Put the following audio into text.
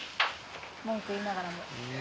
文句言いながらも。